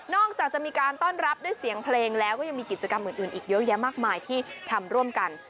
จากจะมีการต้อนรับด้วยเสียงเพลงแล้วก็ยังมีกิจกรรมอื่นอีกเยอะแยะมากมายที่ทำร่วมกัน